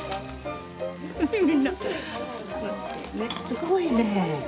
すごいね。